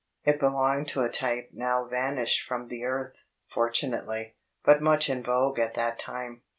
It belonged to a type now vanished from the earth fortunately but much in vogue at that time.